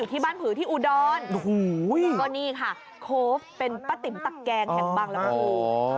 ก็คือที่อุดรนแล้วก็นี่ค่ะโคฟเป็นป้าติ๋มตักแกงแห่งบ้างแล้วคุณคุณคุณ